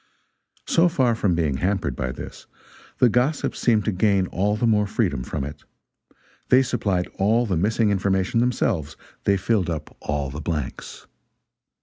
So far from being hampered by this, the gossips seemed to gain all the more freedom from it. They supplied all the missing information themselves, they filled up all the blanks.